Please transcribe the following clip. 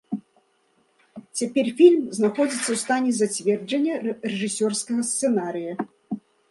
Цяпер фільм знаходзіцца ў стане зацверджання рэжысёрскага сцэнарыя.